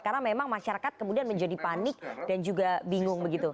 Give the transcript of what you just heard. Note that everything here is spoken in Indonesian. karena memang masyarakat kemudian menjadi panik dan juga bingung begitu